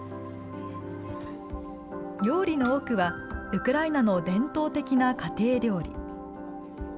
料理の多くは、ウクライナの伝統的な家庭料理。